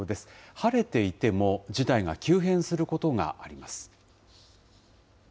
晴れていても、事態が急変することがあります。